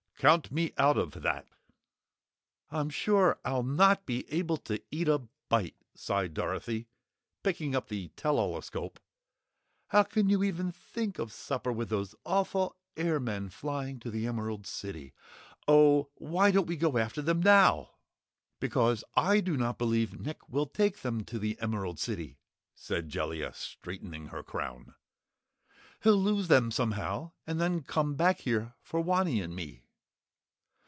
"Count me out of that!" "I'm sure I'll not be able to eat a bite," sighed Dorothy, picking up the tell all escope. "How can you even think of supper with those awful airmen flying to the Emerald City. Oh, why don't we go after them now?" "Because I do not believe Nick will take them to the Emerald City," said Jellia, straightening her crown. "He'll lose them somehow and then come back here for Wanny and me."